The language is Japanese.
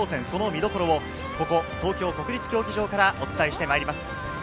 その見どころをここ東京国立競技場からお伝えしてまいります。